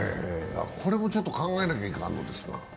これもちょっと考えないといかんのですが。